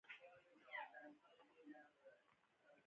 د سیریلیون د الماسو په څېر د اسټرالیا طلا هم رسوبي وه.